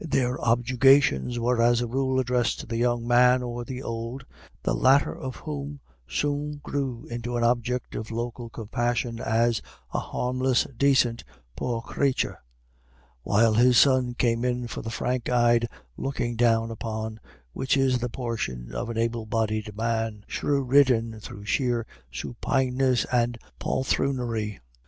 Their objurgations were, as a rule, addressed to the young man or the old, the latter of whom soon grew into an object of local compassion as "a harmless, dacint, poor crathur," while his son came in for the frank eyed looking down upon which is the portion of an able bodied man, shrew ridden through sheer supineness and "polthroonery."